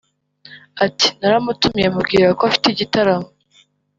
Ati « Naramutumiye mubwira ko mfite igitaramo